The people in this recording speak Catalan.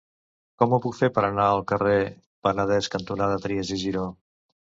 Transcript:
Com ho puc fer per anar al carrer Penedès cantonada Trias i Giró?